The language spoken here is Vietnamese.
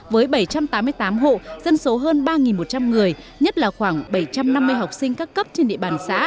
với bảy trăm tám mươi tám hộ dân số hơn ba một trăm linh người nhất là khoảng bảy trăm năm mươi học sinh các cấp trên địa bàn xã